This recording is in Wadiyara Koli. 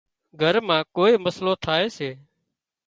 گھر مان ڪوئي مسئلو ٿائي سي